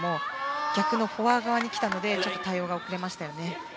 逆のフォア側に来たのでちょっと対応が遅れましたよね。